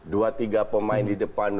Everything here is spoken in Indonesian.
dua tiga pemain di depan